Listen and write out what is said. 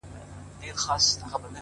o چي هغه زه له خياله وباسمه؛